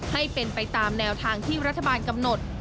ให้เป็นไปตามแนวทางที่รัฐบาลกำหนด